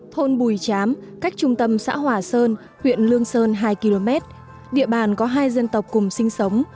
thôn bùi chám cách trung tâm xã hòa sơn huyện lương sơn hai km địa bàn có hai dân tộc cùng sinh sống